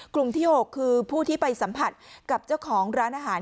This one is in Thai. กลุ่มที่๖คือผู้ที่ไปสัมผัสกับเจ้าของร้านอาหาร